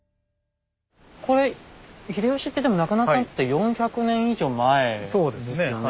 これ秀吉ってでも亡くなったのって４００年以上前ですよね？